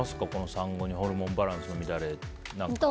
産後にホルモンバランスの乱れ。